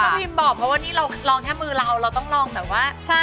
ต้องให้ป้าพิมบอกเพราะว่านี่เราลองแค่มือเราเราต้องลองแต่ว่า